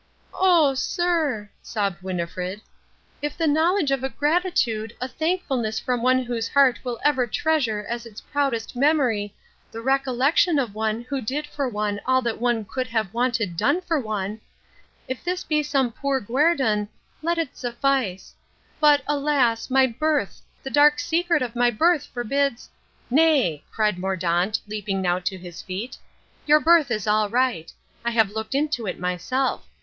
"Oh, sir," sobbed Winnifred, "if the knowledge of a gratitude, a thankfulness from one whose heart will ever treasure as its proudest memory the recollection of one who did for one all that one could have wanted done for one if this be some poor guerdon, let it suffice. But, alas, my birth, the dark secret of my birth forbids " "Nay," cried Mordaunt, leaping now to his feet, "your birth is all right. I have looked into it myself.